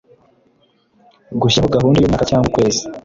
Gushyiraho gahunda y umwaka cyangwa ukwezi